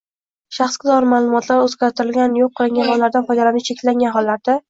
shaxsga doir ma’lumotlar o‘zgartirilgan, yo‘q qilingan va ulardan foydalanish cheklangan hollarda